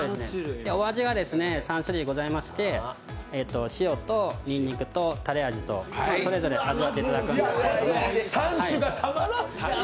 お味が３種類ありまして、塩とにんにくとタレ味と、それぞれ味わっていただくんですけど。